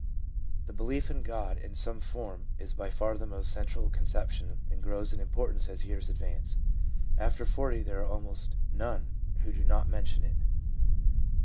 The belief in God in some form is by far the most central conception, and grows in importance as years advance. After 40 there are almost none who do not mention it.